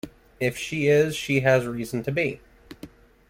If she is, she has reason to be.